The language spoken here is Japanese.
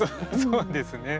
そうですね。